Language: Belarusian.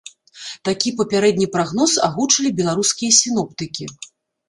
Такі папярэдні прагноз агучылі беларускія сіноптыкі.